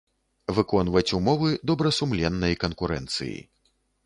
Выконваць умовы добрасумленнай канкурэнцыi.